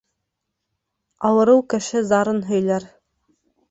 Ауырыу кеше зарын һөйләр.